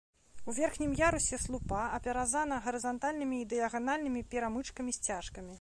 У верхнім ярусе слупа апяразана гарызантальнымі і дыяганальнымі перамычкамі-сцяжкамі.